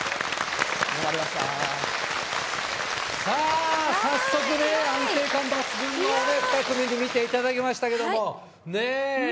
さぁ早速ね安定感抜群のふた組で見ていただきましたけどもね